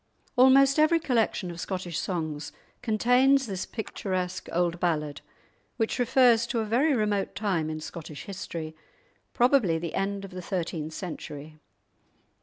'" Almost every collection of Scottish songs contains this picturesque old ballad, which refers to a very remote time in Scottish history, probably the end of the thirteenth century.